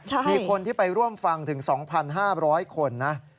มีคนที่ไปร่วมฟังถึง๒๕๐๐คนนะ